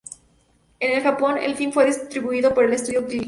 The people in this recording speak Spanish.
En el Japón, el film fue distribuido por el Studio Ghibli.